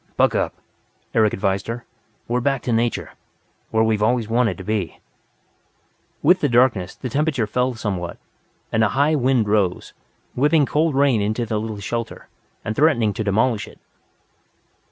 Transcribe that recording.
"Buck up," Eric advised her. "We're back to nature where we've always wanted to be." With the darkness, the temperature fell somewhat, and a high wind rose, whipping cold rain into the little shelter, and threatening to demolish it.